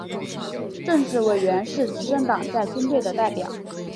政治委员是执政党在军队的代表。